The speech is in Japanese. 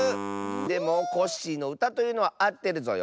でもコッシーのうたというのはあってるぞよ。